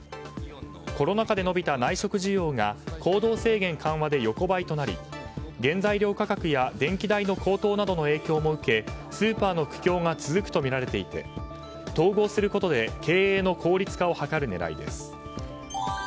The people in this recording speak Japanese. コロナ禍で伸びた内食需要が行動制限で横ばいとなり横ばいとなり原材料価格や電気代の高騰などの影響も受けスーパーの苦境が続くとみられていて統合することで経営の効率化を図る狙いです。